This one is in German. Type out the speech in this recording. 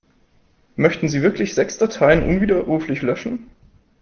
Möchten Sie wirklich sechs Dateien unwiderruflich löschen?